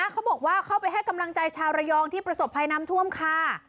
เขาบอกว่าเข้าไปให้กำลังใจชาวระยองที่ประสบภัยน้ำท่วมค่ะ